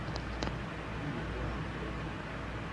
Wi vo adre.